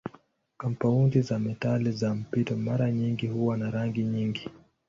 Kampaundi za metali za mpito mara nyingi huwa na rangi nyingi.